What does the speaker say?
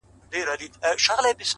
علم د انسان شعور بدلوي!